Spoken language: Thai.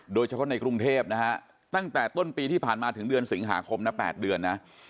โดยเฉพาะในกรุงเทพนะฮะตั้งแต่ต้นปีที่ผ่านมาถึงเดือนสิงหาคมนะ๘เดือนนะ